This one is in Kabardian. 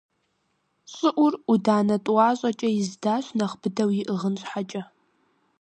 ЩӀыӀур Ӏуданэ тӀуащӀэкӀэ издащ нэхъ быдэу иӀыгъын щхьэкӀэ.